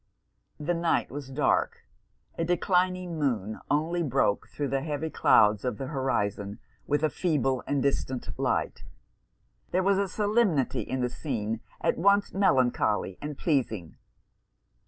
The night was dark; a declining moon only broke thro' the heavy clouds of the horizon with a feeble and distant light. There was a solemnity in the scene at once melancholy and pleasing.